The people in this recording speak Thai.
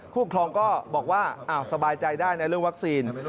ครองก็บอกว่าสบายใจได้นะเรื่องวัคซีน